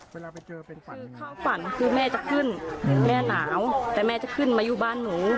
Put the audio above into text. เวลาไปเจอเป็นฝันเข้าฝันคือแม่จะขึ้นแม่หนาวแต่แม่จะขึ้นมาอยู่บ้านหนู